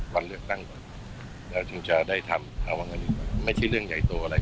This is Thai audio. วันเลือกตั้งก่อนอ่าจึงจะได้ทำไม่ใช่เรื่องใหญ่โตอะไร